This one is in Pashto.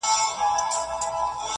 له مايې ما اخله.